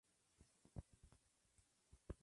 Los body kits pueden contener uno o varios elementos.